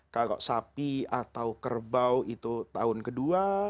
kalau sapi atau kerbau itu tahun kedua